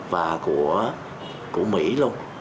và của mỹ luôn